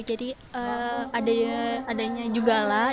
jadi adanya juga lah